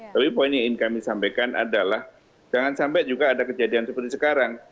tapi poin yang ingin kami sampaikan adalah jangan sampai juga ada kejadian seperti sekarang